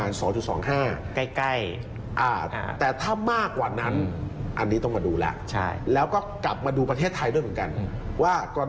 อันดับมากกว่านั้นอันนี้ต้องมาดูแล้ว